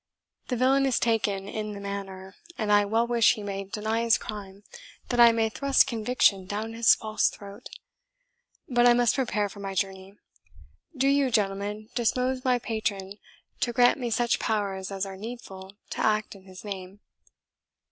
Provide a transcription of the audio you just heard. "The villain is taken in the manner, and I well wish he may deny his crime, that I may thrust conviction down his false throat! But I must prepare for my journey. Do you, gentlemen, dispose my patron to grant me such powers as are needful to act in his name."